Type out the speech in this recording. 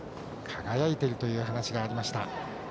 輝いているという話がありました。